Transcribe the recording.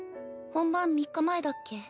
本番３日前だっけ？